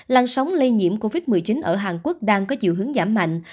lan sóng lây nhiễm covid một mươi chín ở hàn quốc đang có chiều hướng giảm mạnh